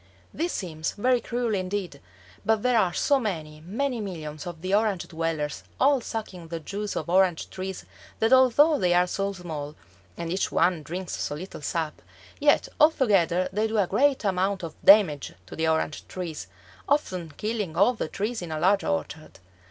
This seems very cruel indeed, but there are so many, many millions of the Orange dwellers all sucking the juice of orange trees that although they are so small, and each one drinks so little sap, yet altogether they do a great amount of damage to the orange trees, often killing all the trees in a large orchard.